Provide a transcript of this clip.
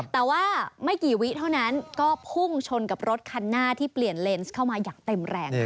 แต่ว่าไม่กี่วิเท่านั้นก็พุ่งชนกับรถคันหน้าที่เปลี่ยนเลนส์เข้ามาอย่างเต็มแรง